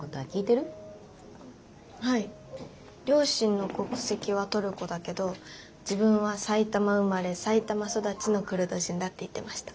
両親の国籍はトルコだけど自分は埼玉生まれ埼玉育ちのクルド人だって言ってました。